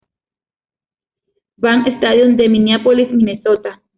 Bank Stadium de Minneapolis, Minnesota.